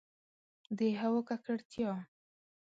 د هوا ککړتیا